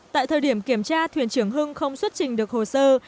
tại thời điểm kiểm tra thuyền trưởng hưng không xuất trình được hồ sơ